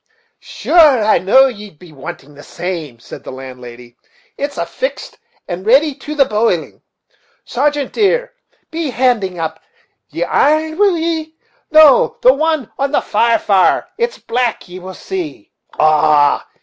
"Sure I know'd ye'd be wanting that same," said the landlady; "it's fixt and ready to the boiling. Sargeant, dear, be handing up the iron, will ye? no, the one on the far fire, it's black, ye will see. Ah!